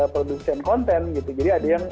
produsen konten gitu jadi ada yang